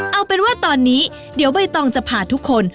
เอาเป็นว่าตอนนี้เดี๋ยวใบตองจะพาทุกคน